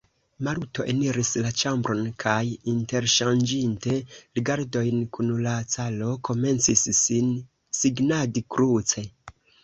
Maluto eniris la ĉambron kaj, interŝanĝinte rigardojn kun la caro, komencis sin signadi kruce.